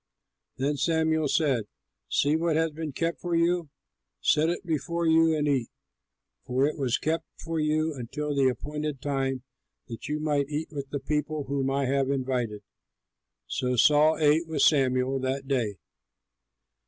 Then Samuel said, "See what has been kept for you! Set it before you and eat, for it was kept for you until the appointed time, that you might eat with the people whom I have invited." So Saul ate with Samuel that day.